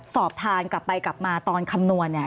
สอบทานกลับไปกลับมาตอนคำนวณเนี่ย